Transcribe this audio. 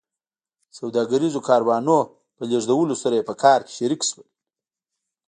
سوداګریزو کاروانونو په لېږدولو سره یې په کار کې شریک شول